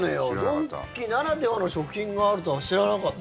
ドンキならではの食品があるとは知らなかった。